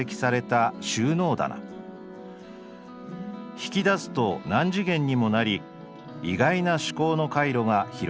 引き出すと何次元にもなり意外な思考の回路が広がってくる」。